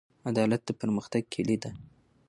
عدالت د پرمختګ کیلي ده.